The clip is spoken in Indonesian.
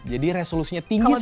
jadi resolusinya tinggi sekali